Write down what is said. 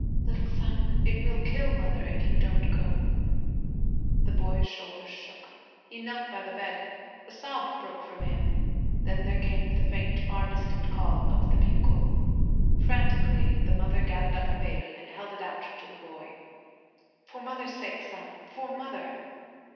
'Little son, it will kill mother if you don't go.' The boy's shoulders shook. He knelt by the bed. A sob broke from him. Then there came the faint far distant call of the bugle. Frantically the mother gathered up her baby and held it out to the boy. 'For mother's sake, son, for mother.'